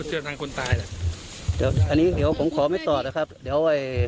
เสื้อทางคนตายอันนี้เดี๋ยวผมขอไม่ตอบนะครับเดี๋ยว